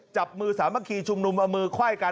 จับมือสามัคคีชุมนุมเอามือไขว้กัน